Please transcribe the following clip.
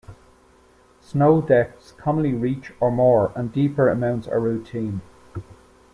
Snow depths commonly reach or more, and deeper amounts are routine.